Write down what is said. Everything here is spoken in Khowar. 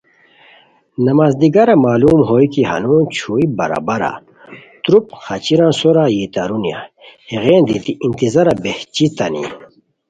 نماز دیگرہ معلوم ہوئے کی ہنون چھوئی برابارہ تروپ خاچیران سورا یی تارونی ہیغین دیتی انتظارا بہچیتانی